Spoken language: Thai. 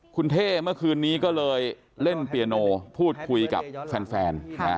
คุณเท่เมื่อคืนนี้ก็เลยเล่นเปียโนพูดคุยกับแฟน